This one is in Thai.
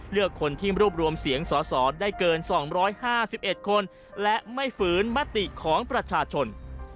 เลือกคนที่รวบรวมเสียงสอสอได้เกิน๒๕๑คนและไม่ฝืนมติของประชาชน